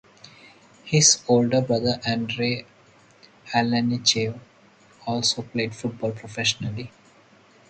His older brother Andrei Alenichev also played football professionally.